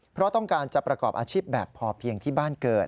เพราะต้องการจะประกอบอาชีพแบบพอเพียงที่บ้านเกิด